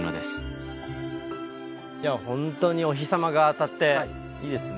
本当にお日様が当たっていいですね。